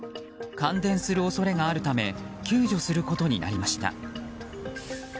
感電する恐れがあるため救助することになりました。